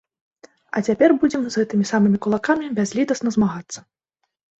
А цяпер будзем з гэтымі самымі кулакамі бязлітасна змагацца.